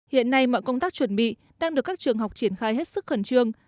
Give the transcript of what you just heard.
hiện nay mọi công tác chuẩn bị đang được các trường học triển khai hết sức khẩn trương